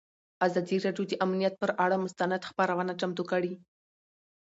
ازادي راډیو د امنیت پر اړه مستند خپرونه چمتو کړې.